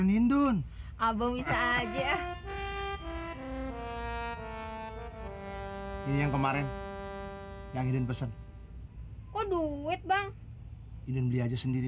nindun abang bisa aja ini yang kemarin yang nden pesan kau duit bang ini beli aja sendiri